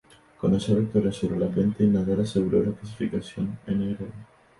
Con esa victoria sobre Lapentti, Nadal aseguró la clasificación nro.